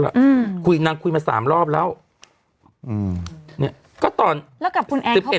อืมคุยนางคุยมาสามรอบแล้วอืมเนี้ยก็ตอนแล้วกับคุณแอร์สิบเอ็